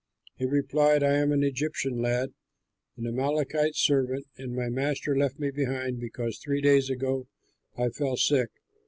He replied, "I am an Egyptian lad, an Amalekite's servant, and my master left me behind because three days ago I fell sick.